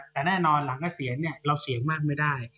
แต่แน่นอนหลังเกษียณเนี่ยเราเสี่ยงมากไม่ได้